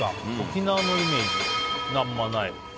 沖縄のイメージあんまない。